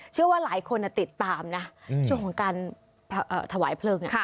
เชื่อว่าหลายคนติดตามนะช่วงของการถวายเพลิง